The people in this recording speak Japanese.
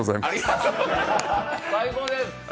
最高です。